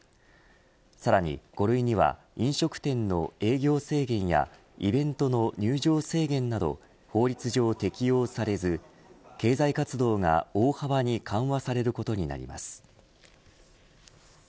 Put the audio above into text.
さらに５類には飲食店の営業制限やイベントの入場制限など法律上適用されず経済活動が大幅に緩和されることになります。